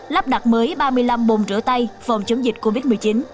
lắp đặt mới ba mươi năm bồn rửa tay phòng chống dịch covid một mươi chín